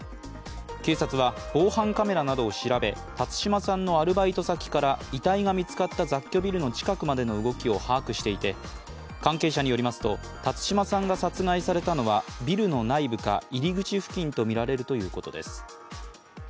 警察は防犯カメラなどを調べ辰島さんのアルバイト先から遺体が見つかった雑居ビルの近くまでの動きを把握していて関係者によりますと辰島さんが殺害されたのはビルの内部か入り口付近とみられるということです。